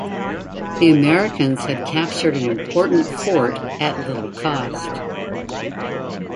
The Americans had captured an important fort at little cost.